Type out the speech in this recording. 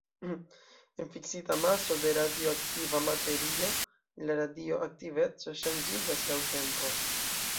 En fiksita maso de radioaktiva materio, la radioaktiveco ŝanĝiĝas laŭ tempo.